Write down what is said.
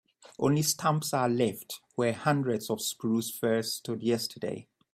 Only stumps are left where hundreds of spruce firs stood yesterday.